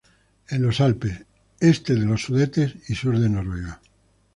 En los Alpes, este de los Sudetes y sur de Noruega.